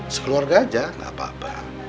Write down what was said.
sekeluarga saja gak apa apa